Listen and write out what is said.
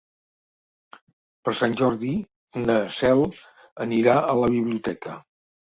Per Sant Jordi na Cel anirà a la biblioteca.